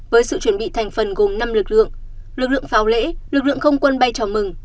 với sự chuẩn bị thành phần gồm năm lực lượng lực lượng pháo lễ lực lượng không quân bay chào mừng